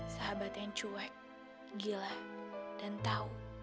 sahabat yang cuek gila dan tahu